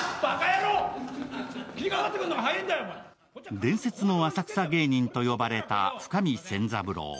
伝説の浅草芸人と呼ばれた深見千三郎。